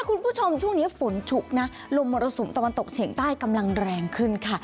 คุณผู้ชมช่วงนี้ฝนฉุกนะลมมรสุมตะวันตกเฉียงใต้กำลังแรงขึ้นค่ะ